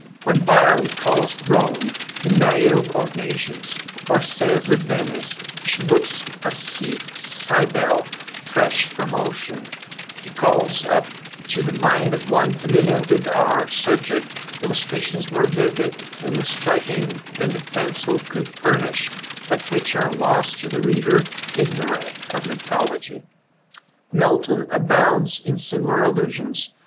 When Byron calls Rome "the Niobe of nations," or says of Venice, "She looks a Sea Cybele fresh from ocean," he calls up to the mind of one familiar with our subject, illustrations more vivid and striking than the pencil could furnish, but which are lost to the reader ignorant of mythology. Milton abounds in similar allusions.